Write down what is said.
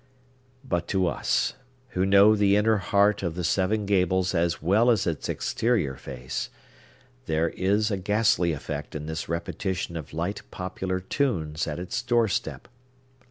But to us, who know the inner heart of the Seven Gables as well as its exterior face, there is a ghastly effect in this repetition of light popular tunes at its door step.